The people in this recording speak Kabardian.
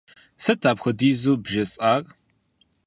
Сыт апхуэдизу бжесӀар?